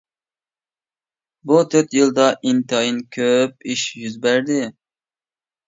بۇ تۆت يىلدا ئىنتايىن كۆپ ئىش يۈز بەردى.